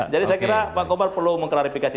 jadi saya kira pak komar perlu mengklarifikasi